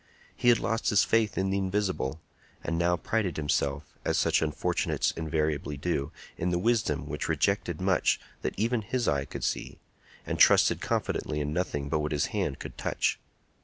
He had lost his faith in the invisible, and now prided himself, as such unfortunates invariably do, in the wisdom which rejected much that even his eye could see, and trusted confidently in nothing but what his hand could touch.